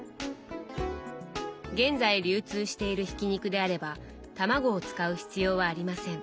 「現在流通している挽き肉であれば卵を使う必要はありません。